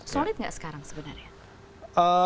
solid nggak sekarang sebenarnya